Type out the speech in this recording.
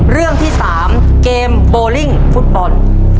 เรื่องที่๓เกมโบลิ่งฟุตบอล